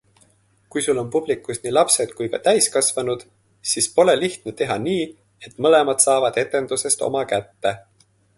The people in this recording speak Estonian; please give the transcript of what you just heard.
Kui sul on publikus nii lapsed kui ka täiskasvanud, siis pole lihtne teha nii, et mõlemad saavad etendusest oma kätte.